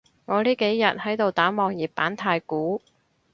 我呢幾日喺度打網頁版太鼓